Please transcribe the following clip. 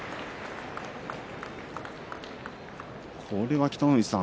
これは北の富士さん